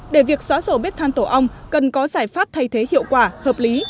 để việc xóa sổ bếp than tổ ong cần có giải pháp thay thế hiệu quả hợp lý